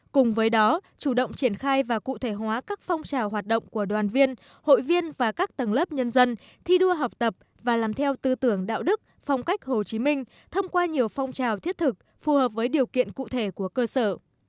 cùng với đó chủ động triển khai và cụ thể hóa các phong trào hoạt động của đoàn viên hội viên và các tầng lớp nhân dân thi đua học tập và làm theo tư tưởng đạo đức phong cách hồ chí minh thông qua nhiều phong trào thiết thực phù hợp với điều kiện cụ thể của cơ sở